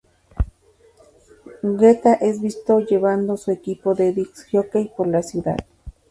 Guetta es visto llevando su equipo de "disc jockey" por la ciudad.